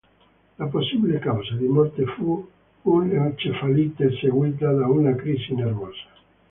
La possibile causa di morte fu un'encefalite seguita da una crisi nervosa.